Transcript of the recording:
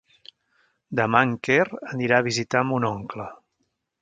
Demà en Quer anirà a visitar mon oncle.